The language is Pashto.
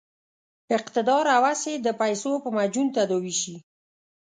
اقتدار هوس یې د پیسو په معجون تداوي شي.